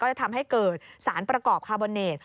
จะทำให้เกิดสารประกอบคาร์บอนเนต